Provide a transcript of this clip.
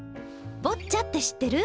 ボッチャって知ってる？